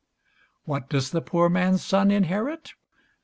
What doth the poor man's son inherit?